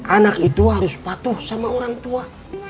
anak itu harus patuh sama orang tua